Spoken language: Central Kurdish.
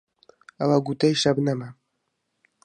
ئەوە گوتەی شەبنەمە